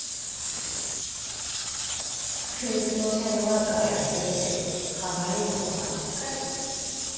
スクールソーシャルワーカーやってるけど歯がゆいことばっかり。